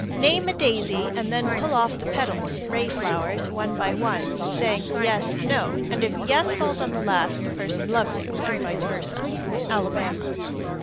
Name a daisy, and then pull off the petals (ray flowers) one by one, saying "yes, no," and if "yes" falls on the last, the person loves you, and vice versa. _Alabama.